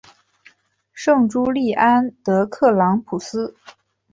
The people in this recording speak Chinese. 圣朱利安德克朗普斯。